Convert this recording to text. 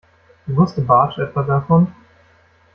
Wusste Bartsch etwa davon?